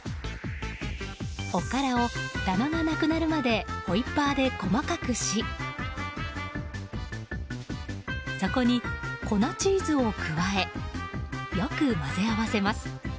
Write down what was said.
おからを、ダマがなくなるまでホイッパーで細かくしそこに粉チーズを加えよく混ぜ合わせます。